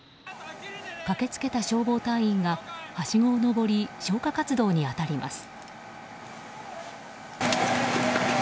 駆けつけた消防隊員がはしごを登り消火活動に当たります。